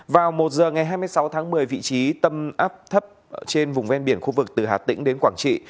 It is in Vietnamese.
vào một giờ ngày hai mươi sáu tháng một mươi vị trí tâm áp thấp trên vùng ven biển khu vực từ hà tĩnh đến quảng trị